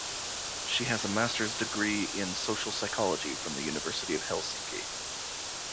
She has a Master's degree in Social psychology from the University of Helsinki.